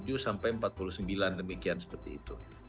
jadi kalau soal macet kita juga mengantisipasi dengan datang lebih duluan